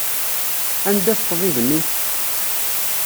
Anda-t ṭṭbib-nni?